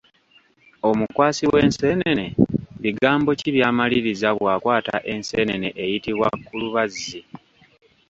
Omukwasi w’enseenene bigambo ki byalamiriza bwakwaata enseenene eyitibwa kulubazzi?